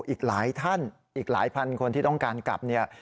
อีกหลายท่านอีกหลายพันคนที่ต้องการกลับเนี่ย